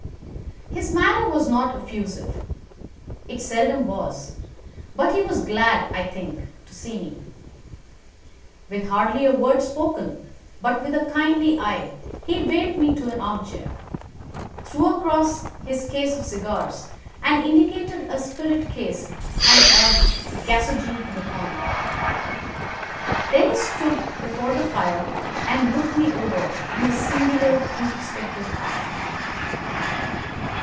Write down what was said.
His manner was not effusive. It seldom was; but he was glad, I think, to see me. With hardly a word spoken, but with a kindly eye, he waved me to an armchair, threw across his case of cigars, and indicated a spirit case and a gasogene in the corner. Then he stood before the fire, and looked me over in his singular introspective fashion.